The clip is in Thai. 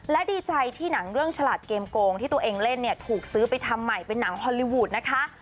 และดีใจที่หนังเรื่องฉลาดเกมโกงที่ตัวเองเล่นเนี่ยถูกซื้อไปทำใหม่เป็นหนังฮอลลีวูดนะคะ